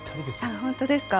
本当ですか。